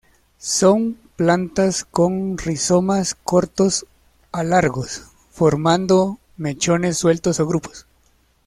Son plantas con rizomas cortos a largos, formando mechones sueltos o grupos.